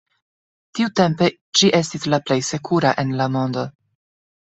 Tiutempe ĝi estis la plej sekura en la mondo.